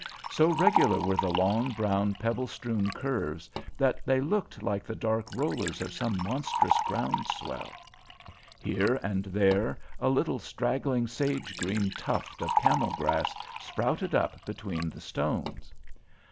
So regular were the long, brown pebble strewn curves, that they looked like the dark rollers of some monstrous ground swell. Here and there a little straggling sage green tuft of camel grass sprouted up between the stones.